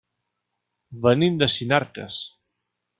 Venim de Sinarques.